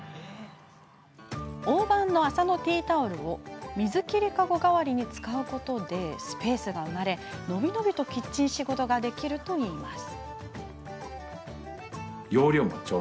大判の麻のティータオルを水切り籠代わりに使うことでスペースが生まれ、伸び伸びとキッチン仕事ができるといいます。